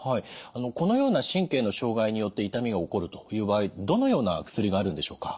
このような神経の障害によって痛みが起こるという場合どのような薬があるんでしょうか？